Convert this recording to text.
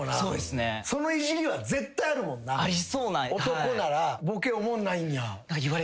男なら「ボケおもんないんや」